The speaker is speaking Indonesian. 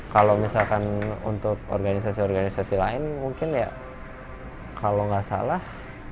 kalau misalkan untuk organisasi organisasi lain mungkin ya kalau nggak salah